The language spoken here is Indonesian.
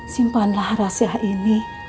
simpanlah rahasia ini